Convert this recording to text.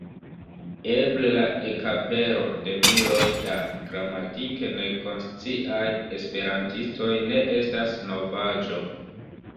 Eble la ekapero de miloj da gramatike nekonsciaj esperantistoj ne estas novaĵo.